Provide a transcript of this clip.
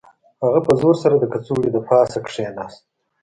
هغه په زور سره د کڅوړې د پاسه کښیناست